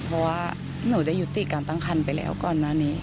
เพราะว่าหนูได้ยุติการตั้งคันไปแล้วก่อนหน้านี้